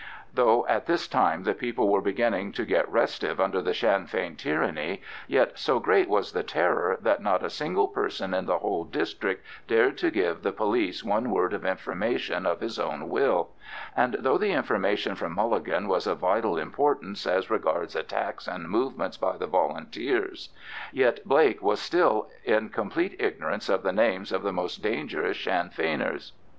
Though at this time the people were beginning to get restive under the Sinn Fein tyranny, yet so great was the terror that not a single person in the whole district dared to give the police one word of information of his own will; and though the information from Mulligan was of vital importance as regards attacks and movements by the Volunteers, yet Blake was still in complete ignorance of the names of the most dangerous Sinn Feiners.